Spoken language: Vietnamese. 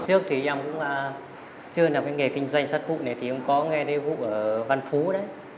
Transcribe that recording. trước thì em cũng chưa làm cái nghề kinh doanh sắt vụ này thì em có nghe thấy vụ ở văn phú đấy